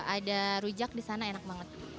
ada rujak di sana enak banget